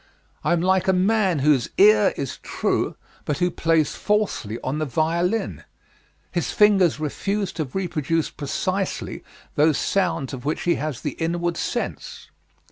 "I am like a man whose ear is true, but who plays falsely on the violin: his fingers refuse to reproduce precisely those sounds of which he has the inward sense.